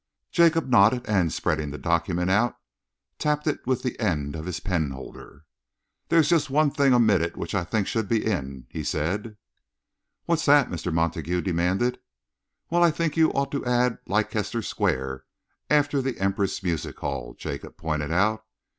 Jacob nodded, and, spreading the document out, tapped it with the end of his penholder. "There is just one thing omitted which I think should be in," he said. "What's that?" Mr. Montague demanded. "Well, I think you ought to add 'Leicester Square' after the Empress Music Hall," Jacob pointed out.